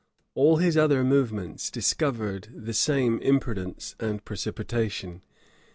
All his other movements discovered the same imprudence and precipitation.